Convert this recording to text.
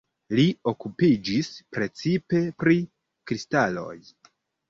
Li okupiĝis precipe pri kristaloj.